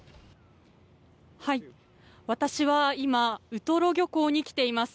私は今ウトロ漁港に来ています。